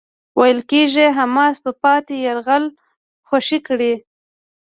ویل کېږی حماس به پاتې يرغمل خوشي کړي.